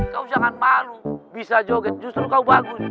kau jangan malu bisa joget justru kau bagus